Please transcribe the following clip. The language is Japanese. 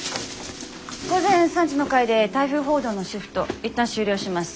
午前３時の回で台風報道のシフト一旦終了します。